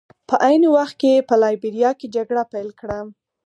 په عین وخت کې یې په لایبیریا کې جګړه پیل کړه.